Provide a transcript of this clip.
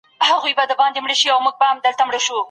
بوټونه مو پاک وساتئ.